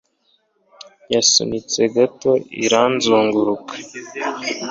yasunitse gato irazunguruka